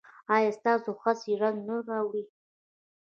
ایا ستاسو هڅې رنګ نه راوړي؟